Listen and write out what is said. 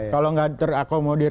kalau nggak terakomodir